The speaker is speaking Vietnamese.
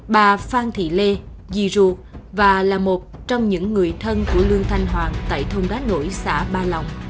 bà phan thị lê di ru và là một trong những người thân của lương thanh hoàng tại thông đá nổi xã ba lòng